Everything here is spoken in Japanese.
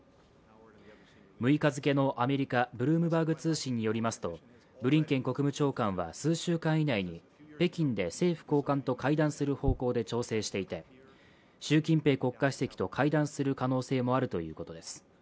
６日付のアメリカ・ブルームバーグ通信によりますとブリンケン国務長官は数週間以内に北京で政府高官と会談する方向で調整していて習近平国家主席と会談する可能性もあるということです。